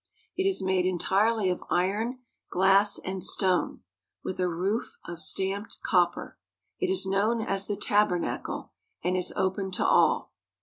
It is made entirely of iron, glass, and stone, with a roof of stamped copper. It is known as the tabernacle, and is open to all.